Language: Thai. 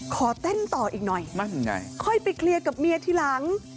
ขอเต้นต่ออีกหน่อยค่อยไปเคลียร์กับเมียทีหลัง